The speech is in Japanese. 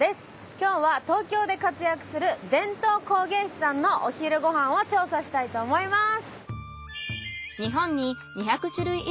今日は東京で活躍する伝統工芸士さんのお昼ご飯を調査したいと思います。